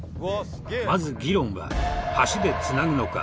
まず議論は橋で繋ぐのか？